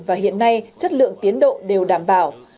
và hiện nay chất lượng tiến độ đều đảm bảo